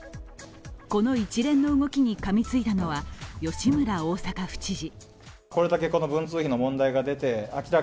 この一連の動きにかみついたのは吉村大阪府知事。